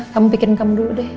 kamu bikin kamu dulu deh